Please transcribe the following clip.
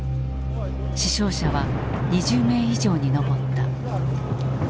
死傷者は２０名以上に上った。